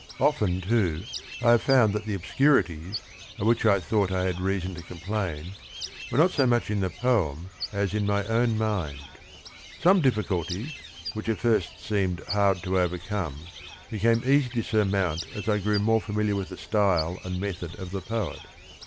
Often, too, I have found that the obscurities, of which I thought I had reason to complain, were not so much in the poem as in my own mind. Some difficulties which at first seemed hard to over come became easy to surmount as I grew more familiar with the style and method of the poet.